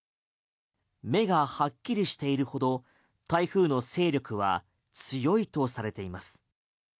目がはっきりしているほど台風の勢力は強いとされています。